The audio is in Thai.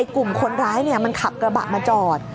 กลุ่มคนร้ายมันขับกระบะมาจอด